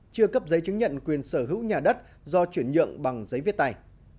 chưa cấp giấy chứng nhận quyền sở hữu nhà đất do chuyển nhượng bằng giấy viết tay